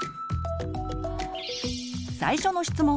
最初の質問！